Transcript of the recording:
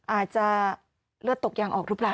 อาจจะเลือดตกยางออกหรือเปล่า